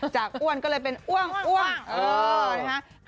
จากอ้วนก็เลยเป็นอ้วงเออที่เรานะครับ